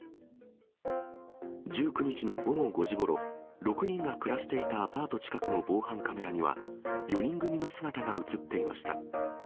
１９日の午後５時ごろ、６人が暮らしていたアパート近くの防犯カメラには、４人組の姿が写っていました。